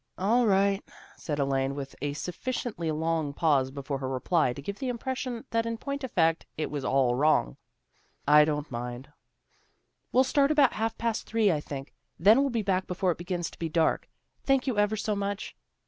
" All right," said Elaine, with a sufficiently long pause before her reply to give the impres sion that in point of fact it was all wrong. " I don't mind." " We'll start about half past three, I think. Then we'll be back before it begins to be dark. Thank you ever so much."